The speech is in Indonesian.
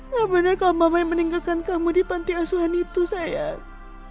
ya benar kalau mama yang meninggalkan kamu di panti asuhan itu sayang